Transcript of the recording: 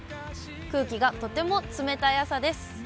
空気がとても冷たい朝です。